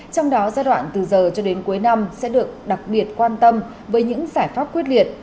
trong đó giai đoạn từ giờ cho đến cuối năm sẽ được đặc biệt quan tâm với những giải pháp quyết liệt